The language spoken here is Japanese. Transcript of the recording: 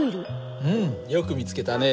うんよく見つけたね。